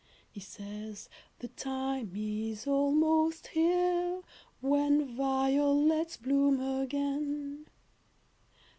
He says "The time is almost here When violets bloom again."